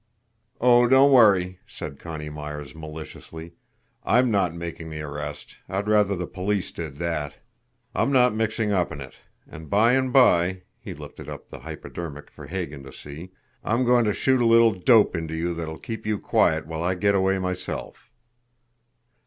"Oh, don't worry!" said Connie Myers maliciously. "I'M not making the arrest, I'd rather the police did that. I'm not mixing up in it, and by and by" he lifted up the hypodermic for Hagan to see "I'm going to shoot a little dope into you that'll keep you quiet while I get away myself."